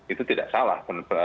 itu tidak salah